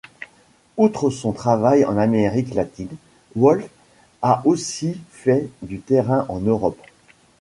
Outre son travail en Amérique latine, Wolf a aussi fait du terrain en Europe.